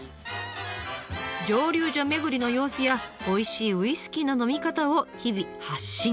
蒸留所巡りの様子やおいしいウイスキーの飲み方を日々発信。